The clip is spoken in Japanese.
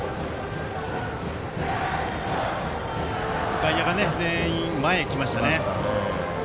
外野が全員、前に来ましたね。